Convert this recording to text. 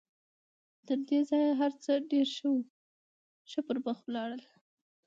تر دې ځايه هر څه ډېر ښه پر مخ ولاړل.